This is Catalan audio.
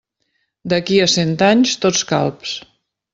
D'ací a cent anys, tots calbs.